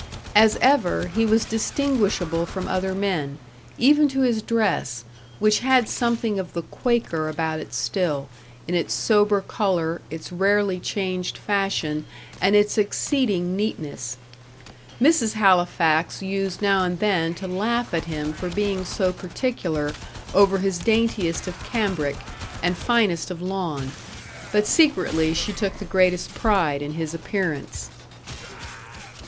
As ever, he was distinguishable from other men, even to his dress which had something of the Quaker about it still, in its sober colour, its rarely changed fashion, and its exceeding neatness. Mrs. Halifax used now and then to laugh at him for being so particular over his daintiest of cambric and finest of lawn but secretly she took the greatest pride in his appearance.